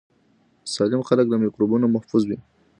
سالم خلک له میکروبونو محفوظ وي.